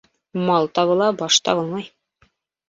Мал табыла, баш табылмай.